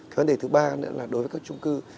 cái vấn đề thứ ba nữa là đối với các trung cư